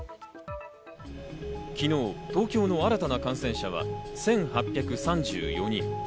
昨日、東京の新たな感染者は１８３４人。